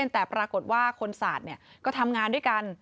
แต่ปรากฏว่าคนสาดก็ทำงานด้วยกัน